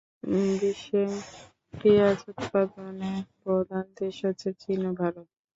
বিশ্বে পিঁয়াজ উৎপাদনে প্রধান দেশ হচ্ছে চীন ও ভারত।